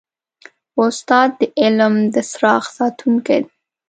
استاد د علم د څراغ ساتونکی دی.